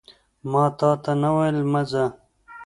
ماتاته نه ویل مه ځه